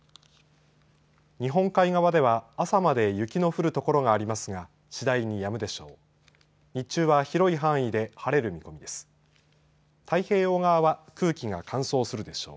日本海側では朝まで雪の降る所がありますが次第にやむでしょう。